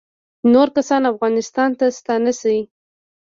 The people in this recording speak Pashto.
نور کسان افغانستان ته ستانه شي